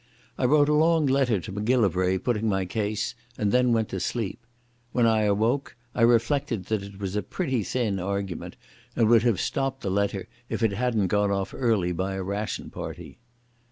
I wrote a long letter to Macgillivray putting my case, and then went to sleep. When I awoke I reflected that it was a pretty thin argument, and would have stopped the letter, if it hadn't gone off early by a ration party.